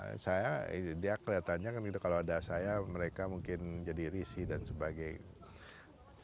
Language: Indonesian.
ya saya dia kelihatannya kan gitu kalau ada saya mereka mungkin jadi risih dan sebagainya